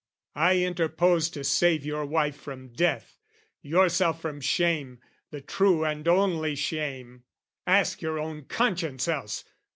"I interposed to save your wife from death, "Yourself from shame, the true and only shame: "Ask your own conscience else!